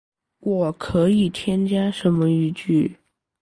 我可以添加什么语句？